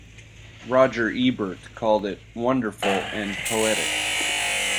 Roger Ebert called it "wonderful" and "poetic".